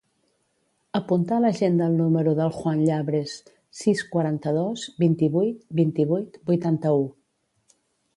Apunta a l'agenda el número del Juan Llabres: sis, quaranta-dos, vint-i-vuit, vint-i-vuit, vuitanta-u.